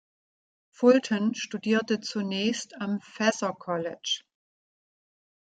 Fulton, studierte zunächst am Vassar College.